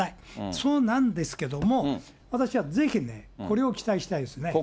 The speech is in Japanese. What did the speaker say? そうなんですけれども、私はぜひね、これを期待したいですね。